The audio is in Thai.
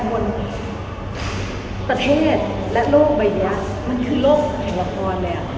บนประเทศและโลกใบเยอะมันคือโลกไอวะครเลยอ่ะ